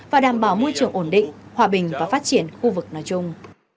và đảm bảo môi trường ổn định hòa bình và phát triển khu vực nói chung